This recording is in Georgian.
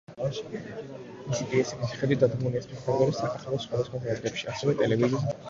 მისი პიესების მიხედვით დადგმულია სპექტაკლები საქართველოს სხვადასხვა თეატრებში, ასევე ტელევიზიასა და რადიოში.